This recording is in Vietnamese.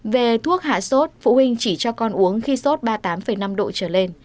về thuốc hạ sốt phụ huynh chỉ cho con uống khi sốt ba mươi tám năm độ trở lên